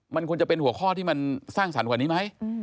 มันควรจะเป็นหัวข้อที่มันสร้างสรรค์กว่านี้ไหม